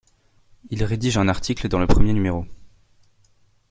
Il rédige un article dans le premier numéro.